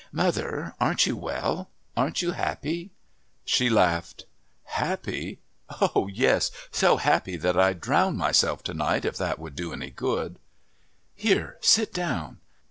"Mother, aren't you well?...Aren't you happy?" She laughed. "Happy? Oh, yes, so happy that I'd drown myself to night if that would do any good." "Here, sit down."